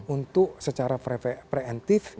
untuk secara preventif